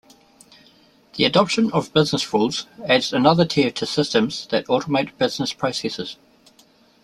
The adoption of business rules adds another tier to systems that automate business processes.